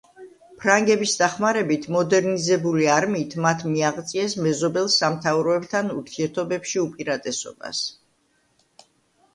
ფრანგების დახმარებით მოდერნიზებული არმიით მათ მიაღწიეს მეზობელ სამთავროებთან ურთიერთობებში უპირატესობას.